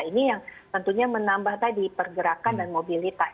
ini yang tentunya menambah tadi pergerakan dan mobilitas